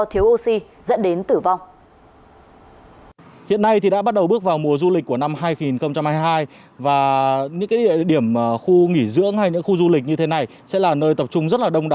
thiếu oxy dẫn đến tử vong